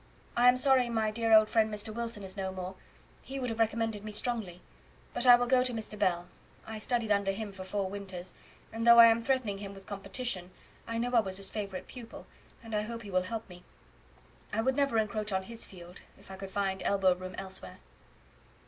I am sorry my dear old friend, Mr. Wilson, is no more, he would have recommended me strongly; but I will go to Mr. Bell. I studied under him for four winters, and though I am threatening him with competition, I know I was his favourite pupil, and I hope he will help me. I never would encroach on his field if I could find any elbow room elsewhere."